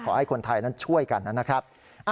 ขอให้คนไทยนั้นช่วยกันนะครับ